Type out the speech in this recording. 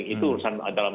itu urusan dalam